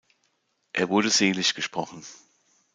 Er wurde seliggesprochen.